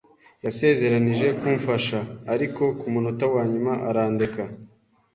Yasezeranije kumfasha, ariko ku munota wa nyuma arandeka.